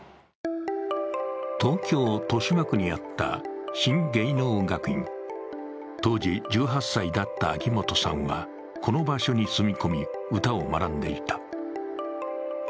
東京・豊島区にあった新芸能学院当時１８歳だった秋本さんは、この場所に住み込み、歌を学んでいた。